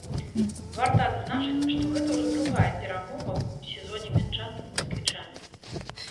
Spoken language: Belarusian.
Варта адзначыць, што гэта ўжо другая перамогу ў сезоне мінчан над масквічамі.